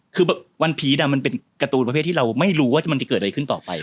คือวันพีชมันเป็นการ์ตูนประเภทที่เราไม่รู้ว่ามันจะเกิดอะไรขึ้นต่อไป